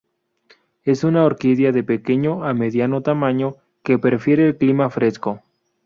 Es una orquídea de pequeño a mediano tamaño, que prefiere el clima fresco.